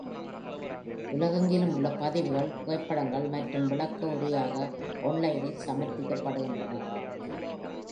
உலகெங்கிலும் உள்ள பதிவுகள் புகைப்படங்கள் மற்றும் விளக்க உரையாக ஆன்லைனில் சமர்ப்பிக்கப்படுகின்றன.